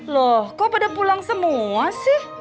loh kok pada pulang semua sih